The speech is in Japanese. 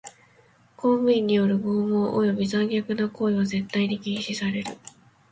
公務員による拷問および残虐な行為は絶対に禁止される。